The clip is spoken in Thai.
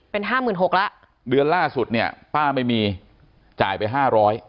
เป็นห้าหมื่นหกแล้วเดือนล่าสุดเนี่ยป้าไม่มีจ่ายไปห้าร้อย